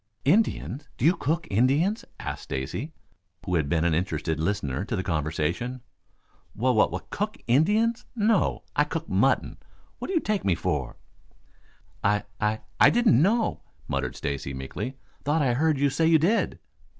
"Indians? Do you cook Indians?" asked Stacy, who had been an interested listener to the conversation. "Wha wha cook Indians? No! I cook mutton. What do you take me for?" "I I I didn't know," muttered Stacy meekly. "Thought I heard you say you did."